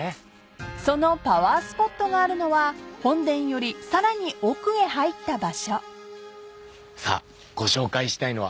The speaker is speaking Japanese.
［そのパワースポットがあるのは本殿よりさらに奥へ入った場所］さあご紹介したいのは。